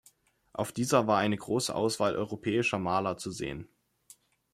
Auf dieser war eine große Auswahl europäischer Maler zu sehen.